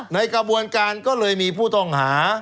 ในกระบวนการก็เลยมีผู้ต้องหา